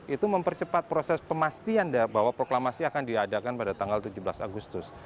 itu mempercepat proses pemastian bahwa proklamasi akan diadakan pada tanggal tujuh belas agustus